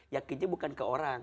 yakinnya bukan ke orang